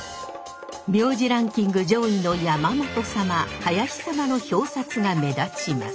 名字ランキング上位の山本様林様の表札が目立ちます。